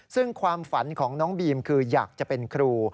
ซึ่งความฝันของน้องบีมคืออยากจะเป็นครู